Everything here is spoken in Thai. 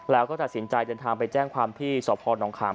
แล้วก็ตัดสินใจเดินทางไปแจ้งความที่สพนขาม